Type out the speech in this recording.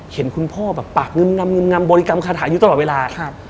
เห็นคุณพ่อปากนึมนำบริกรรมคาถาอยู่ตลอดเวลา